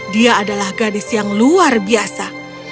dia adalah gadis yang luar biasa